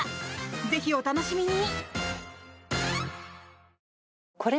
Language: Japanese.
ぜひ、お楽しみに。